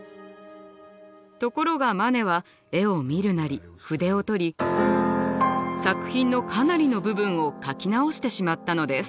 ところがマネは絵を見るなり筆をとり作品のかなりの部分を描き直してしまったのです。